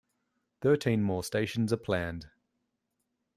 Thirteen more stations are planned.